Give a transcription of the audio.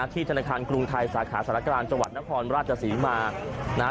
ที่ธนาคารกรุงไทยสาขาศาลกราณจนครราชสีมา